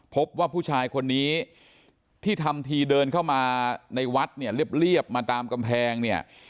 พบว่าผู้ชายคนนี้ที่ทำทีเดินเข้ามาในวัดเนี่ยเรียบมาตามกำแพงเนี่ย